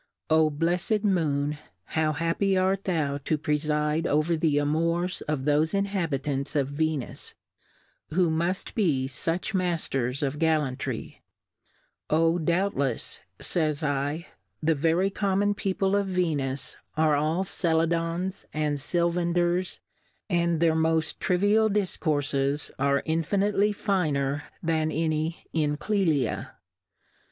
Oh, blefled Moon, how happy art thou to prefide over the Amours of thofe Inhabitants of Venus^ who muft be fuch Masters of Gallan try ! Oh, doubtlefs, fays /, the very common People of Venus are all Cela ^ dons and Silvandersy and their moft tri vial Difcourfes are infinitely finer than any in CleUa.